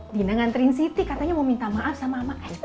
dinyantri kitty katanya mau minta maaf sama